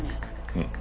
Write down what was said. うん。